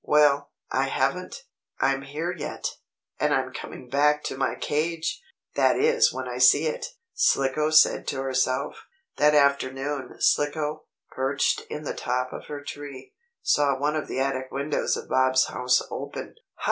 "Well, I haven't I'm here yet, and I'm coming back to my cage that is when I see it," Slicko said to herself. That afternoon Slicko, perched in the top of her tree, saw one of the attic windows of Bob's house open. "Ha!"